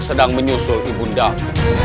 sedang menyusul ibu ndang